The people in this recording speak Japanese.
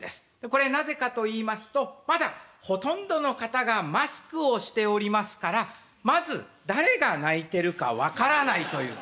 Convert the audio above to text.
これなぜかと言いますとまだほとんどの方がマスクをしておりますからまず誰が鳴いてるか分からないという。